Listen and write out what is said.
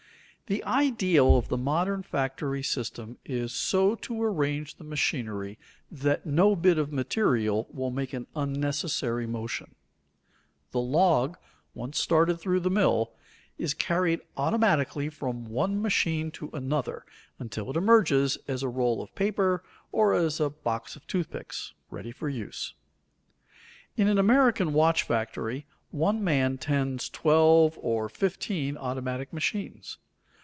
The ideal of the modern factory system is so to arrange the machinery that no bit of material will make an unnecessary motion. The log, once started through the mill, is carried automatically from one machine to another until it emerges as a roll of paper or as a box of tooth picks, ready for use. In an American watch factory one man tends twelve or fifteen automatic machines.